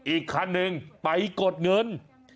อีกคันหนึ่งไปกดเงิน